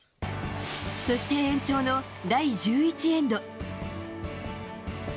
そして延長の第１１エンド。